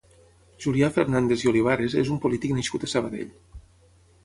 Julià Fernàndez i Olivares és un polític nascut a Sabadell.